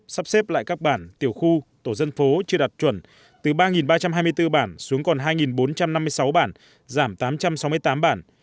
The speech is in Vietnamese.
sắp xếp lại các bản tiểu khu tổ dân phố chưa đạt chuẩn từ ba ba trăm hai mươi bốn bản xuống còn hai bốn trăm năm mươi sáu bản giảm tám trăm sáu mươi tám bản